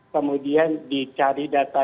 kemudian dicari data